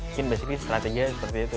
mungkin basicnya strateginya seperti itu